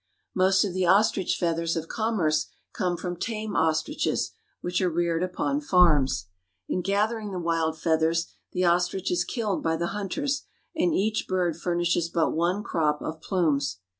Most of the ostrich feathers' of commerce come from tame ostriches, which are reared upon farms. In gather ing the wild feathers, the ostrich is killed by the hunters, and each bird furnishes but one crop of plumes.